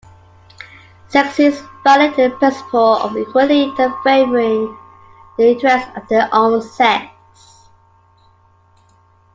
Sexists violate the principle of equality by favouring the interests of their own sex.